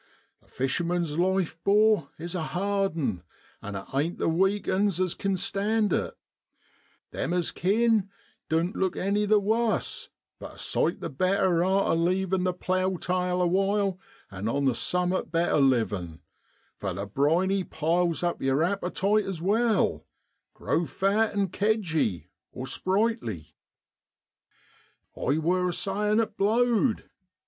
The fisherman's life, 'bor, is a hard 'un, and it ain't the weak 'uns as kin stand it; them as kin doan't look any the wuss, but a sight the better arter leavin' the plough tail awhile, and on the suinmat better livin' for the briny piles up yer appetite as well grow fat and kedgey (sprightly). I wor a sayin' it blowed.